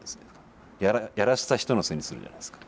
やらせた人のせいにするじゃないですか。